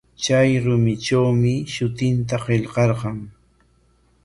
Chay rumitrawmi shutinta qillqarqan.